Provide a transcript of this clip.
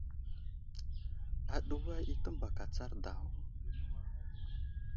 Aɗuwa i təmbak atsar daw.